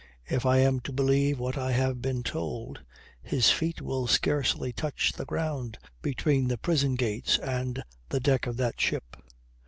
If I am to believe what I have been told, his feet will scarcely touch the ground between the prison gates and the deck of that ship."